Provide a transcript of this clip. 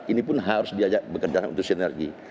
ini pun harus diajak bekerja untuk sinergi